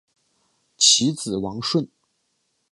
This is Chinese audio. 其子王舜。